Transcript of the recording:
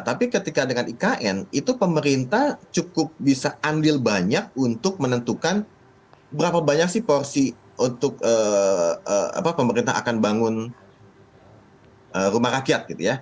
tapi ketika dengan ikn itu pemerintah cukup bisa andil banyak untuk menentukan berapa banyak sih porsi untuk pemerintah akan bangun rumah rakyat gitu ya